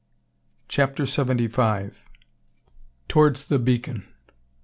CHAPTER SEVENTY FIVE. TOWARDS THE BEACON!